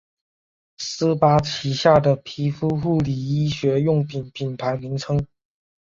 施巴旗下的皮肤护理医学用品品牌名称。